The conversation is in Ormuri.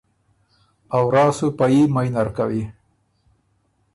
ا ورا سُو پئ يي مئ نر کوی۔